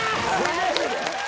マジで！？